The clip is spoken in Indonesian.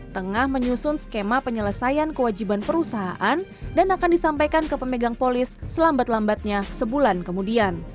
tengah menyusun skema penyelesaian kewajiban perusahaan dan akan disampaikan ke pemegang polis selambat lambatnya sebulan kemudian